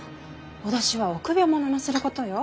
脅しは臆病者のすることよ。